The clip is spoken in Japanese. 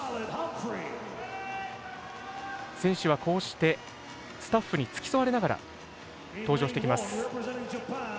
選手はこうしてスタッフに付き添われながら登場してきます。